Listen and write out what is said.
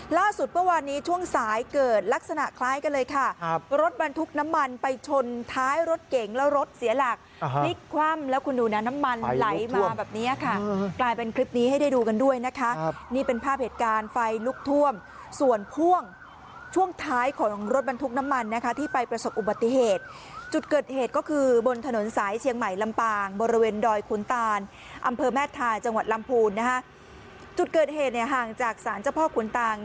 ล่าสุดเพราะวันนี้ช่วงสายเกิดลักษณะคล้ายกันเลยค่ะรถบรรทุกน้ำมันไปชนท้ายรถเก๋งแล้วรถเสียหลักพลิกคว่ำแล้วคุณดูน้ำมันไหลมาแบบนี้ค่ะกลายเป็นคลิปนี้ให้ได้ดูกันด้วยนะคะนี่เป็นภาพเหตุการณ์ไฟลุกท่วมส่วนพ่วงช่วงท้ายของรถบรรทุกน้ำมันนะคะที่ไปประสบอุบัติเหตุจุดเกิดเหต